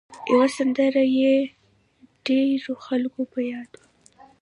یوه سندره یې د ډېرو خلکو په یاد وه.